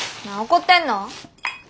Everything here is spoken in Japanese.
なあ怒ってんの？